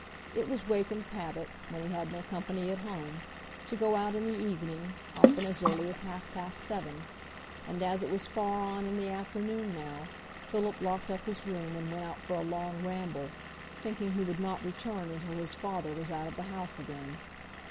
It was Wakem's habit, when he had no company at home, to go out in the evening, often as early as half past seven; and as it was far on in the afternoon now, Philip locked up his room and went out for a long ramble, thinking he would not return until his father was out of the house again.